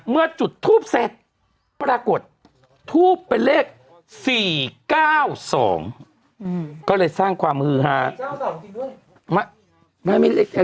เมื่อจุดทูปเสร็จปรากฏทูบเป็นเลข๔๙๒ก็เลยสร้างความฮือฮา